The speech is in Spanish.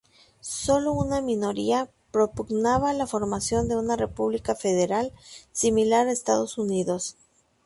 Sólo una minoría propugnaba la formación de una república federal similar a Estados Unidos.